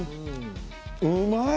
うまい。